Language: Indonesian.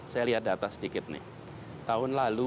saya lihat data sedikit nih